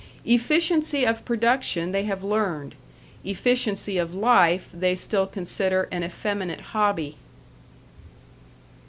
Efficiency of production they have learned; efficiency of life they still consider an effeminate hobby.